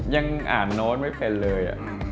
ยังอ่านโน้ตไม่เป็นเลย